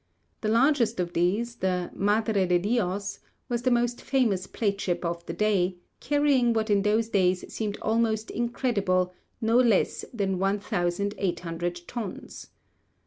The largest of these, the 'Madre de Dios,' was the most famous plate ship of the day, carrying what in those days seemed almost incredible, no less than 1,800 tons.